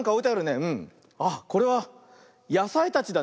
あっこれはやさいたちだね。